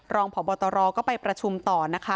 รองพบตรก็ไปประชุมต่อนะคะ